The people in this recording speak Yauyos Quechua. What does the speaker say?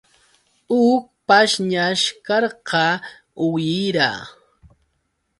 Huk pashñash karqa uwihira.